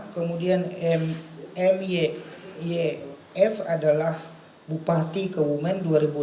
kemudian myyf adalah bupati kebumen dua ribu enam belas dua ribu dua puluh